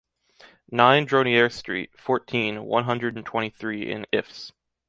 Nine Dronnière street, fourteen, one hundred and twenty-three in Ifs.